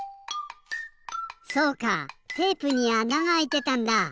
そうかテープにあながあいてたんだ！